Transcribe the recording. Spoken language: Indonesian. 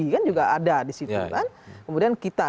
kan juga ada di situ kan kemudian kita